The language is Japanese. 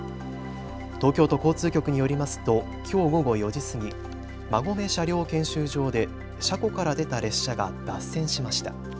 東京都交通局によりますときょう午後４時過ぎ、馬込車両検修場で車庫から出た列車が脱線しました。